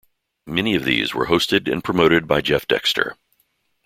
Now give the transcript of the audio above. Many of these were hosted and promoted by Jeff Dexter.